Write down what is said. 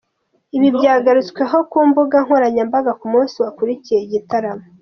Ibi byagarutsweho ku mbuga nkoranyambaga ku munsi wakurikiye igitaramo.